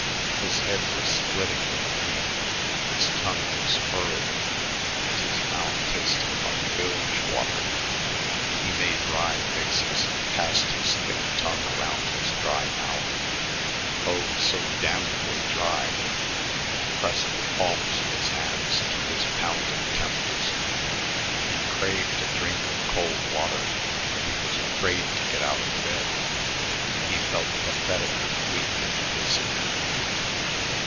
His head was splitting with pain, his tongue was furry, and his mouth tasted like bilge water. He made wry faces, passed his thick tongue around his dry mouth oh, so damnably dry! and pressed the palms of his hands to his pounding temples. He craved a drink of cold water, but he was afraid to get out of bed. He felt pathetically weak and dizzy.